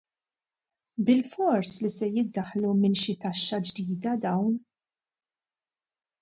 Bilfors li se jiddaħħlu minn xi taxxa ġdida dawn.